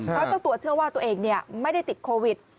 เขาต้องตรวจเชื่อว่าตัวเองไม่ได้ติดโควิด